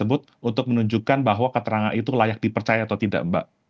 untuk menunjukkan bahwa keterangan itu layak dipercaya atau tidak mbak